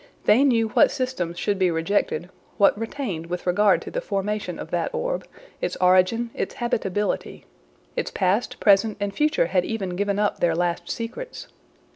They knew what systems should be rejected, what retained with regard to the formation of that orb, its origin, its habitability. Its past, present, and future had even given up their last secrets.